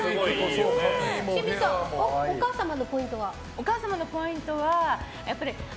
お母様のポイントは？